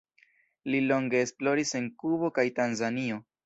Li longe esploris en Kubo kaj Tanzanio.